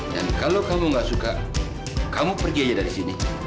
dan kalau kamu tidak suka kamu pergi saja dari sini